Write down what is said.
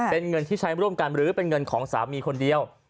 เป็นเงินที่ใช้ร่วมกันหรือเป็นเงินของสามีคนเดียว